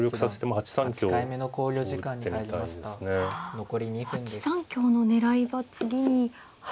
８三香の狙いは次に８七歩と。